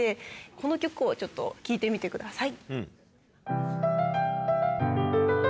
この曲を聴いてみてください。